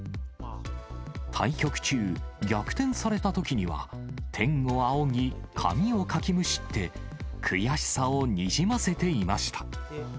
対局中、逆転されたときには、天をあおぎ、髪をかきむしって、悔しさをにじませていました。